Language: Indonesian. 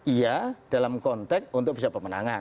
iya dalam konteks untuk bisa pemenangan